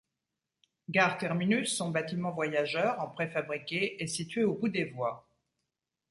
Gare terminus, son bâtiment voyageurs, en préfabriqué, est situé au bout des voies.